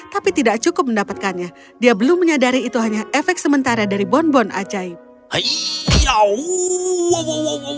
tapi tidak cukup mendapatkannya dia belum menyadari itu hanya efek sementara dari bonbon ajaib